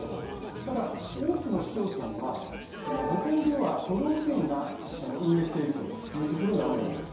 ただ、多くの市町村は、保健所は都道府県が運営しているという所が多いんです。